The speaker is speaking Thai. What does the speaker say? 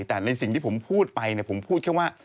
แต่ในสิ่งที่ผมพูดไปผมพูดแค่ว่า